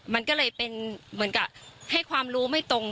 มันก็เลยเป็นเหมือนกับให้ความรู้ไม่ตรง